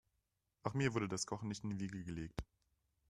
Auch mir wurde das Kochen nicht in die Wiege gelegt.